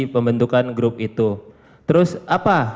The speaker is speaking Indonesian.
pembentukan grup itu terus apa